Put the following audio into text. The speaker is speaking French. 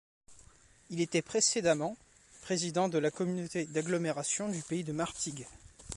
Il était précédemment président de la communauté d'agglomération du pays de Martigues.